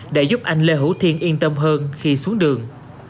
để giúp anh lê hữu thiên yên tâm hơn khi xuống đường